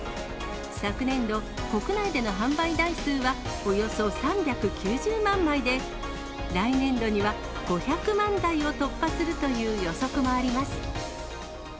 昨年度、国内での販売台数はおよそ３９０万台で、来年度には５００万台を突破するという予測もあります。